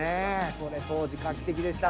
これ当時画期的でした。